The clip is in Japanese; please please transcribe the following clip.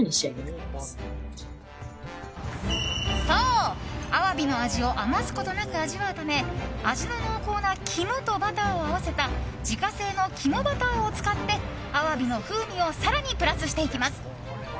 そう、アワビの味を余すことなく味わうため味の濃厚なきもとバターを合わせた自家製のきもバターを使ってアワビの風味を更にプラスしていきます。